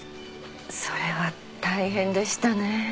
それは大変でしたね。